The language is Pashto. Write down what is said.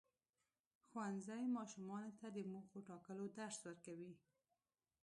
ښوونځی ماشومانو ته د موخو ټاکلو درس ورکوي.